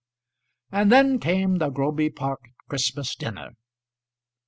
And then came the Groby Park Christmas dinner.